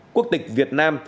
quốc tịch việt nam